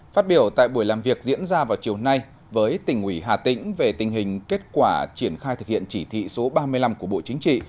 phát biểu tại buổi làm việc diễn ra vào chiều nay với tỉnh ủy hà tĩnh về tình hình kết quả triển khai thực hiện chỉ thị số ba mươi năm của bộ chính trị